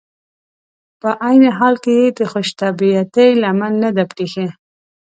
په عین حال کې یې د خوش طبعیتي لمن نه ده پرېښي.